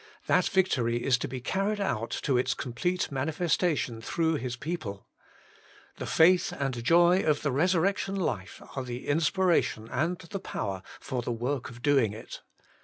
That victory is to be carried out to its complete Working for God 73 manifestation through His people. The faith and joy of the resurrection Ufe are the inspiration and the power for the work of doing it.